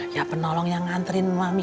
ya penolong yang nganterin mami